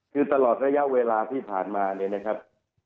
คือตลอดระยะเวลาที่ผ่านมาเนี่ยนะครับ